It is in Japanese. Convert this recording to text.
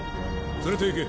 連れていけ。